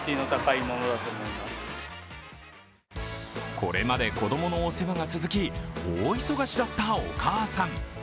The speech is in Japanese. これまで子供のお世話が続き大忙しだったお母さん。